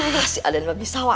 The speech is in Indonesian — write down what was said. masih ada yang bisa wae